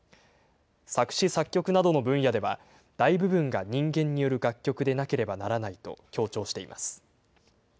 作詞作曲などの分野では、大部分が人間による楽曲でなければならないと強調しています。